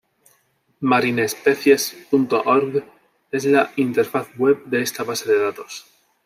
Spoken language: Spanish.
MarineSpecies.org es la interfaz web de esta base de datos.